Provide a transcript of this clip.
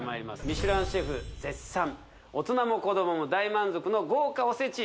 ミシュランシェフ絶賛大人も子どもも大満足の豪華おせち